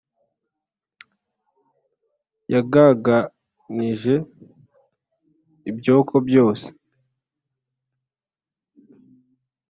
yagaganije ibyoko byose